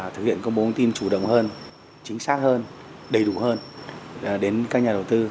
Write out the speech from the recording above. thực hiện công bố thông tin chủ động hơn chính xác hơn đầy đủ hơn đến các nhà đầu tư